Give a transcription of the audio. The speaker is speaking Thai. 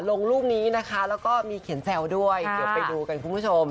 ลงรูปนี้นะคะแล้วก็มีเขียนแซวด้วยเดี๋ยวไปดูกันคุณผู้ชม